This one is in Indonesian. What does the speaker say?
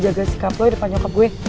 jaga sikap lo di depan nyokap gue